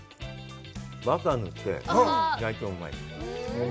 バター塗ってもうまい。